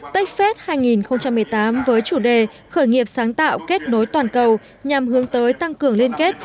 techfest hai nghìn một mươi tám với chủ đề khởi nghiệp sáng tạo kết nối toàn cầu nhằm hướng tới tăng cường liên kết